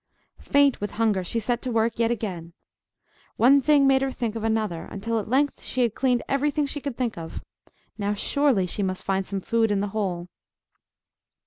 Faint with hunger, she set to work yet again. One thing made her think of another, until at length she had cleaned every thing she could think of. Now surely she must find some food in the hole!